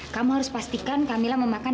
kamu harus pastikan kamilah memakan